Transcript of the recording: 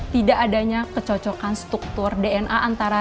tidak adanya kecocokan struktur dna